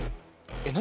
えっ何？